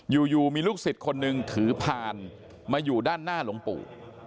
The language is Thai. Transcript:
อยู่มีลูกศิษย์คนหนึ่งถือพานมาอยู่ด้านหน้าหลวงปู่